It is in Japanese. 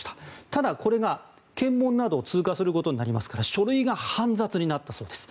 ただ、これが検問などを通過することになりますから書類が煩雑になったそうです。